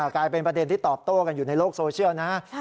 กลายเป็นประเด็นที่ตอบโต้กันอยู่ในโลกโซเชียลนะฮะ